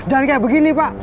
jangan kayak begini pak